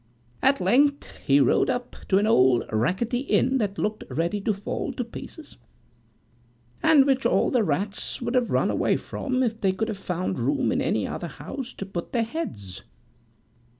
At length he rode up to an old rackety inn that looked ready to fall to pieces, and which all the rats would have run away from, if they could have found room in any other house to put their heads.